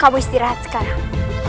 kamu istirahat sekarang